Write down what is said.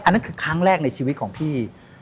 นั่นคือครั้งแรกในชีวิตของพี่